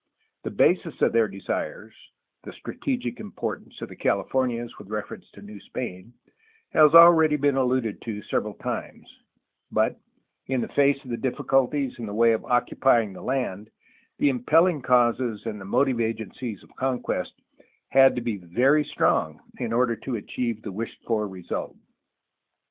The basis of their desires, the strategic importance of the Californias with reference to New Spain, has already been alluded to several times, but, in the face of the difficulties in the way of occupy ing the land, the impelling causes and the motive agencies of conquest had to be very strong in order to achieve the wished for result.